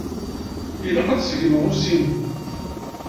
Ilaq ad seggmeɣ usi-nu.